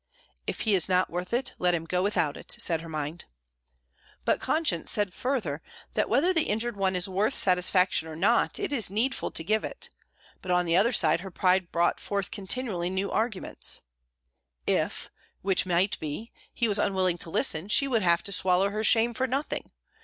"If he is not worth it, let him go without it," said her mind. But conscience said further that whether the injured one is worth satisfaction or not, it is needful to give it; but on the other side her pride brought forth continually new arguments, "If which might be he was unwilling to listen, she would have to swallow her shame for nothing.